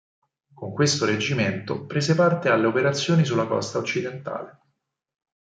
Con questo reggimento prese parte alle operazioni sulla costa occidentale.